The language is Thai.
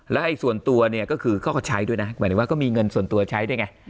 และส่วนตัวเนี่ยก็คือเขาก็ใช้ด้วยนะหมายถึงว่าก็มีเงินส่วนตัวใช้ด้วยไง